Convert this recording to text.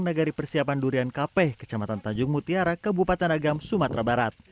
nagari persiapan durian kapeh kecamatan tanjung mutiara kebupaten agam sumatera barat